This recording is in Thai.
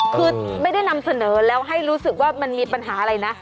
คือไม่ได้นำเสนอแล้วให้รู้สึกว่ามันมีปัญหาอะไรนะ